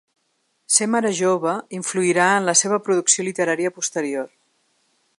Ser mare jove influirà en la seva producció literària posterior.